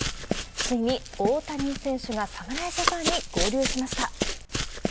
ついに大谷選手が侍ジャパンに合流しました。